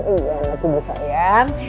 iya aku juga sayang